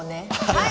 はい。